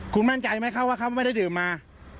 คุณมั่นใจไหมครับว่าเขาไม่ได้ดื่มมา